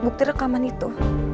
bukti rekaman itu